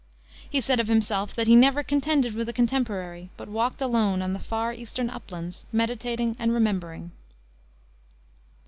He said of himself that he "never contended with a contemporary, but walked alone on the far eastern uplands, meditating and remembering."